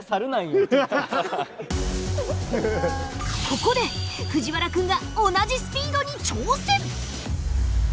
ここで藤原君が同じスピードに挑戦。